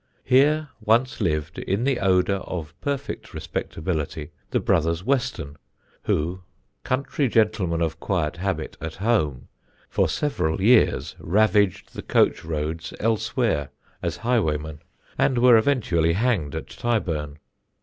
Here once lived, in the odour of perfect respectability, the brothers Weston, who, country gentlemen of quiet habit at home, for several years ravaged the coach roads elsewhere as highwaymen, and were eventually hanged at Tyburn.